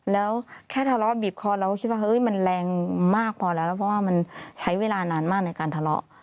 แล้วแค่ทะเลาะบีบคอเราก็คิดว่าเฮ้ยมันแรงมากพอแล้วแล้วเพราะว่ามันใช้เวลานานมากในการทะเลาะ